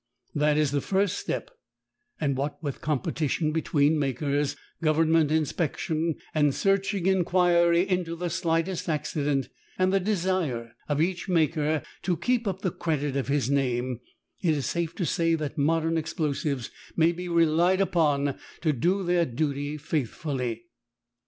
That is the first step, and what with competition between makers, Government inspection, and searching inquiry into the slightest accident, and the desire of each maker to keep up the credit of his name, it is safe to say that modern explosives may be relied upon to do their duty faithfully.